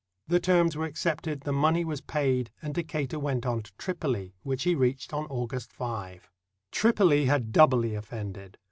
The terms were accepted, the money was paid, and Decatur went on to Tripoli, which he reached August 5. TripoU had doubly offended.